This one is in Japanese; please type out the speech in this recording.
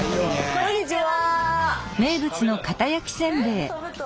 こんにちは。